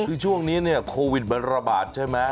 คือช่วงนี้โควิดบรรรบาสใช่ไหม